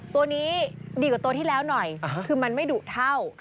ตัวนี้ดีกว่าตัวที่แล้วหน่อยคือมันไม่ดุเท่า